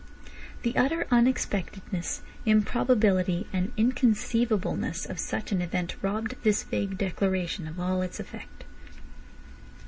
The utter unexpectedness, improbability, and inconceivableness of such an event robbed this vague declaration of all its effect.